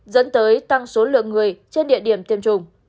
dẫn tới tăng số lượng người trên địa điểm tiêm chủng